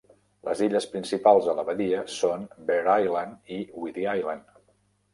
Les illes principals a la badia són Bere Island i Whiddy Island.